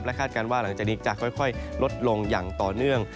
คาดการณ์ว่าหลังจากนี้จะค่อยลดลงอย่างต่อเนื่อง